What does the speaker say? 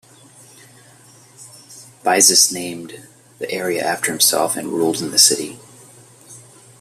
Byzas named the area after himself and ruled in the city.